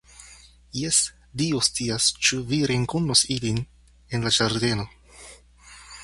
Jes, Dio scias ĉu vi renkontos ilin en la ĝardeno.